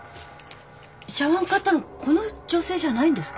茶わん買ったのこの女性じゃないんですか？